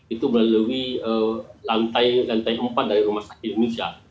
itu berlalu lantai empat dari rumah sakit indonesia